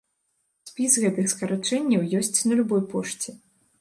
Спіс гэтых скарачэнняў ёсць на любой пошце.